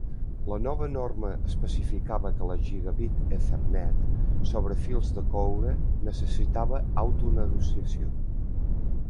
La nova norma especificava que la Gigabit Ethernet sobre fils de cobre necessitava autonegociació.